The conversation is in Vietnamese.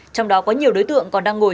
trong đó có nhiều đối tượng còn đang ngồi